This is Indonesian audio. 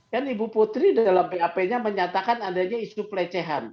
kan ibu putri dalam bap nya menyatakan adanya isu pelecehan